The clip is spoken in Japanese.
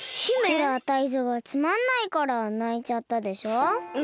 ほらタイゾウがつまんないからないちゃったでしょう。